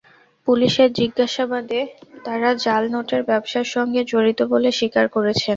পুলিশের জিজ্ঞাসাবাদে তাঁরা জাল নোটের ব্যবসার সঙ্গে জড়িত বলে স্বীকার করেছেন।